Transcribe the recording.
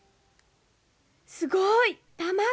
すごい卵！